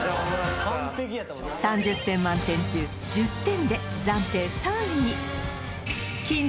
３０点満点中１０点で暫定３位に！